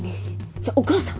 じゃあお母さん？